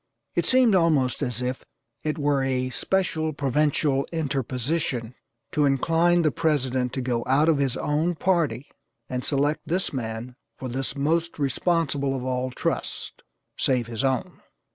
It seemed almost as if it were a special Provincial interposition to incline the President to go out of his own party and select this man for this most responsible of all trusts, save his own.